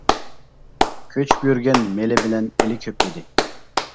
كۆچۈپ يۈرگەن مېلى بىلەن ئېلى كۆپ ئىدى.